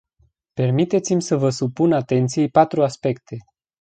Permiteți-mi să vă supun atenției patru aspecte.